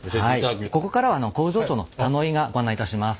ここからは工場長の田野井がご案内いたします。